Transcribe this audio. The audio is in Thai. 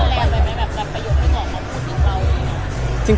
มันแรงไหมแบบกับประโยชน์ของเขาพูดถึงเราดีกว่า